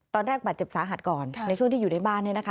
ตอนแรกบาดเจ็บสาหัสก่อนในช่วงที่อยู่ในบ้านเนี่ยนะคะ